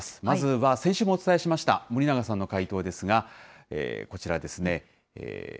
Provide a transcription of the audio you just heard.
まずは、先週もお伝えしました森永さんの回答ですが、こちらですね。